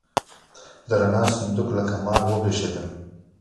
د رڼا صندوق لکه مار وپرشېده.